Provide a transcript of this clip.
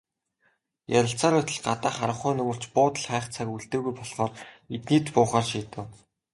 Ярилцсаар байтал гадаа харанхуй нөмөрч, буудал хайх цаг үлдээгүй болохоор эднийд буухаар шийдэв.